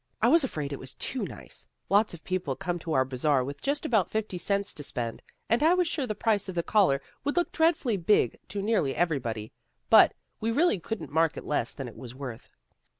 I was afraid it was too nice. Lots of people come to our Bazar with just about fifty cents to spend, and I was sure the price of the collar would look dreadfully big to nearly everybody. But we really couldn't mark it less than it was worth."